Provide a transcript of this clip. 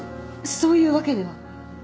そういうわけでは。